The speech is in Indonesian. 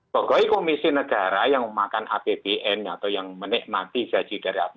pegawai komisi negara yang memakan apbn atau yang menikmati gaji dari apb